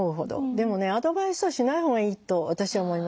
でもねアドバイスはしないほうがいいと私は思います。